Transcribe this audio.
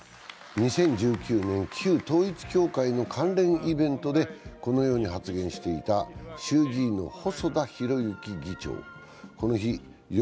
２０１９年、旧統一教会の関連イベントでこのように発言していた衆議院の細田博之議長。